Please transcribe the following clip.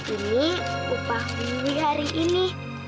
ini upah mini hari ini